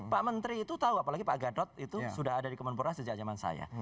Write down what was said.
pak menteri itu tahu apalagi pak gadot itu sudah ada di kemenpora sejak zaman saya